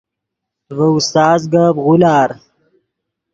ڤے استاز گپ غولار